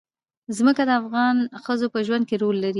ځمکه د افغان ښځو په ژوند کې رول لري.